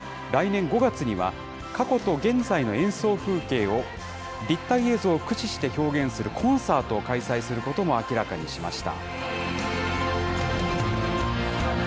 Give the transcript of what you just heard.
新曲だけを収録したアルバムを発売するほか、来年５月には、過去と現在の演奏風景を、立体映像を駆使して表現するコンサートを開催することも明らかにしました。